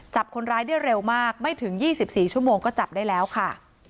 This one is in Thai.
จับคนร้ายได้เร็วมากไม่ถึง๒๔ชั่วโมงก็จับได้แล้วค่ะ